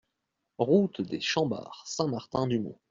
Route des Chambards, Saint-Martin-du-Mont